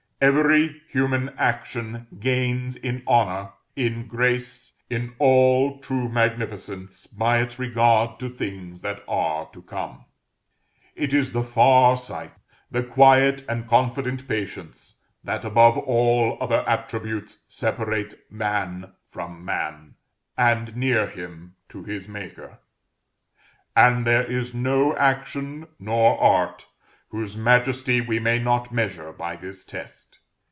Every human action gains in honor, in grace, in all true magnificence, by its regard to things that are to come. It is the far sight, the quiet and confident patience, that, above all other attributes, separate man from man, and near him to his Maker; and there is no action nor art, whose majesty we may not measure by this test.